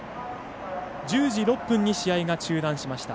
１０時６分に試合が中断しました。